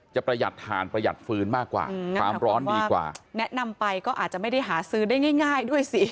ประหยัดถ่านประหยัดฟื้นมากกว่าความร้อนดีกว่าแนะนำไปก็อาจจะไม่ได้หาซื้อได้ง่ายง่ายด้วยสิ